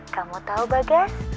kamu tahu bagas